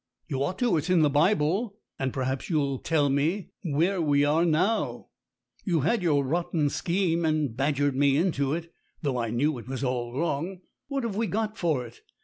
"You ought to it's in the Bible. And perhaps you'll fell me where we are now; you had your rotten scheme and badgered me into it, though I knew it was all wrong. What have we got for it?